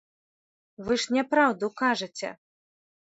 Вы ж няпраўду кажаце!